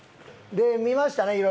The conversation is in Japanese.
で見ましたね